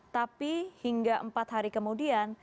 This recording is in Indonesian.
tapi hingga empat hari kemudian